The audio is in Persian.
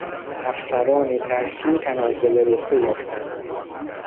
افسران ترسو تنزل رتبه یافتند.